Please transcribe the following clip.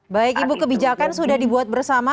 baik ibu kebijakan sudah dibuat bersama